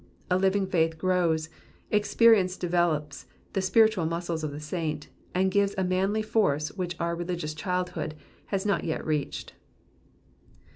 A living faith grows ; experience develops the spiritual muscles of the saint, and gives a manly force which our religious childhood has not yet reached.